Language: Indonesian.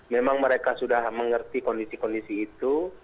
memang mereka sudah mengerti kondisi kondisi itu